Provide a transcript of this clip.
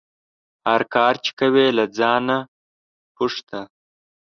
هر کار چې کوې له ځانه پوښته